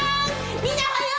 みんな、おはよう！